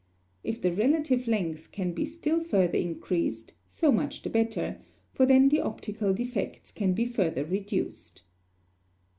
If the relative length can be still further increased, so much the better; for then the optical defects can be further reduced.